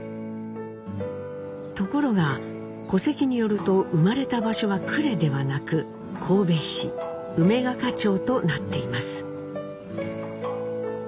ところが戸籍によると生まれた場所は呉ではなく神戸市梅ヶ香町となっています。